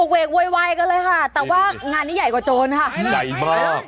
เวกโวยวายกันเลยค่ะแต่ว่างานนี้ใหญ่กว่าโจรค่ะใหญ่มาก